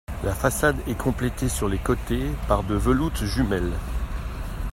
La façade est complétée sur les côtés par des veloutes jumelles.